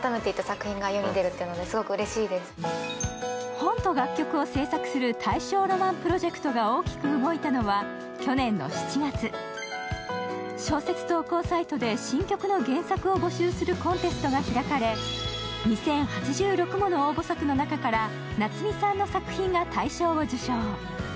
本と楽曲を制作する「大正浪漫」プロジェクトが大きく動いたのは去年の７月、小説投稿サイトで新曲の原曲を募集するコンテストが開かれ、２０８６もの応募作の中からＮＡＴＳＵＭＩさんの作品が大賞を受賞。